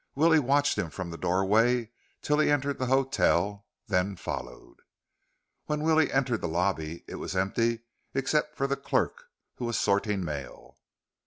Willie watched him from the doorway till he entered the hotel, then followed. When Willie entered the lobby, it was empty except for the clerk, who was sorting mail.